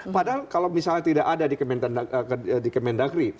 padahal kalau misalnya tidak ada di kemendagri